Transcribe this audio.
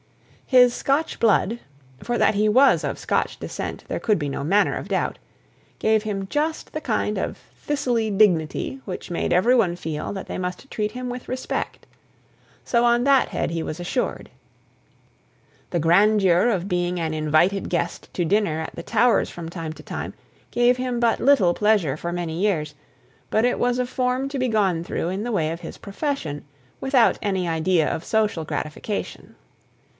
His Scotch blood (for that he was of Scottish descent there could be no manner of doubt) gave him just the kind of thistly dignity which made every one feel that they must treat him with respect; so on that head he was assured. The grandeur of being an invited guest to dinner at the Towers from time to time, gave him but little pleasure for many years, but it was a form to be gone through in the way of his profession, without any idea of social gratification.